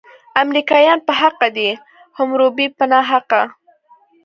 امریکایان په حقه دي، حموربي په ناحقه.